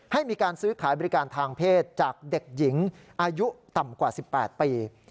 ให้มีการซื้อขายบริการทางเพศจากเด็กหญิงอายุต่ำกว่า๑๘ปี